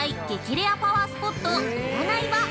レアのパワースポット占場。